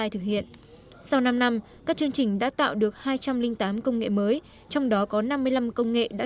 thực hiện sau năm năm các chương trình đã tạo được hai trăm linh tám công nghệ mới trong đó có năm mươi năm công nghệ đã